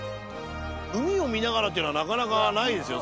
海を見ながらっていうのはなかなかないですよ。